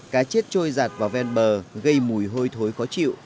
cá chết trôi giạt vào ven bờ gây mùi hôi thối khó chịu